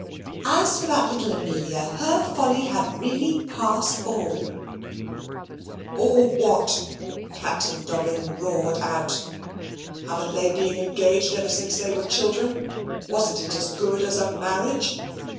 As for that little Amelia, her folly had really passed all " "All what?" Captain Dobbin roared out. "Haven't they been engaged ever since they were children? Wasn't it as good as a marriage?